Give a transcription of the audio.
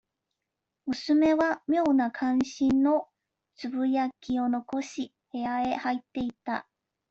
娘は、妙な関心のつぶやきを残し、部屋へ入っていった。